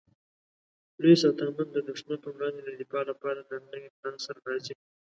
لومړی ساتنمن د دښمن پر وړاندې د دفاع لپاره د نوي پلان سره راځي.